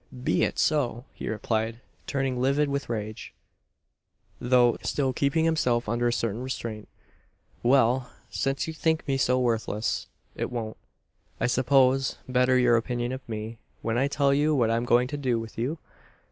"Be it so!" he replied, turning livid with rage, though still keeping himself under a certain restraint. "Well; since you think me so worthless, it won't, I suppose, better your opinion of me, when I tell you what I'm going to do with you?"